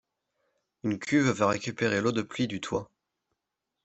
une cuve va récupérer l'eau de pluie du toit